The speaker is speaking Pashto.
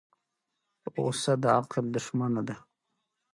غصه د عقل دښمنه ده.